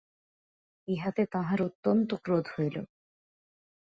ইহাতে তাঁহার অত্যন্ত ক্রোধ হইল।